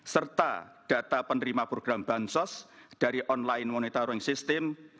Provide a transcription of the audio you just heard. serta data penerima program bansos dari online monitoring system